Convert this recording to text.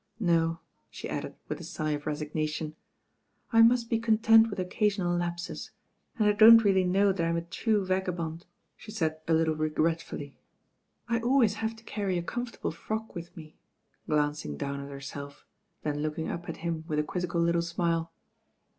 No, she added with a sigh of resignation, "I must be content with occasional lapses, and I don't really know that I'm a true vagabond," she said a little r©. gretfully, "I always have to carry a comfortable frock with me," glancing down at herself, then loddng up at him with a quizzical little smile.